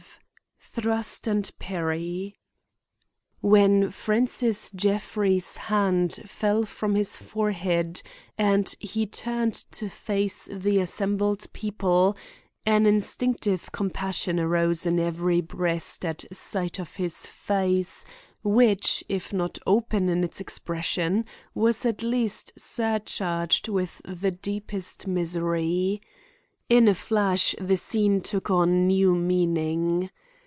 XII. THRUST AND PARRY When Francis Jeffrey's hand fell from his forehead and he turned to face the assembled people, an instinctive compassion arose in every breast at sight of his face, which, if not open in its expression, was at least surcharged with the deepest misery. In a flash the scene took on new meaning.